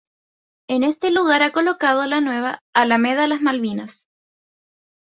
En este lugar ha colocado la nueva "Alameda Las Malvinas".